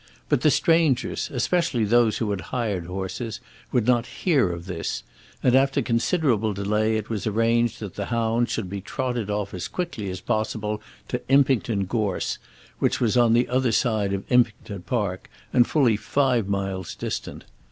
But the strangers, especially those who had hired horses, would not hear of this; and after considerable delay it was arranged that the hounds should be trotted off as quickly as possible to Impington Gorse, which was on the other side of Impington Park, and fully five miles distant.